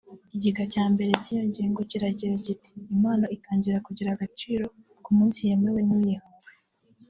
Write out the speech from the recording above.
Igika cya mbere cy’iyo ngingo cyagiraga kiti “Impano itangira kugira agaciro ku munsi yemewe n’uyihawe”